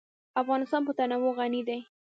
افغانستان په تنوع غني دی.